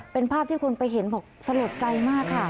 เป็นภาพที่คนไปเห็นบอกสลดใจมากค่ะ